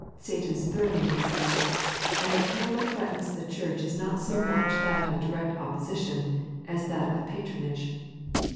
Satan's throne is there, and the peril that threatens the church is not so much that of direct opposition as that of patronage.